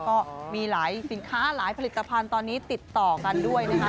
ก็มีหลายสินค้าหลายผลิตภัณฑ์ตอนนี้ติดต่อกันด้วยนะคะ